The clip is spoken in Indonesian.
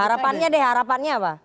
harapannya deh harapannya apa